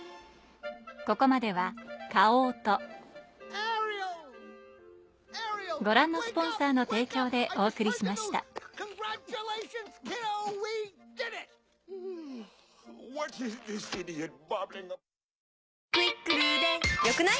アアア「『クイックル』で良くない？」